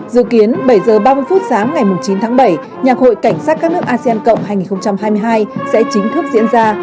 dự kiến bảy h ba mươi phút sáng ngày chín tháng bảy nhạc hội cảnh sát các nước asean cộng hai nghìn hai mươi hai sẽ chính thức diễn ra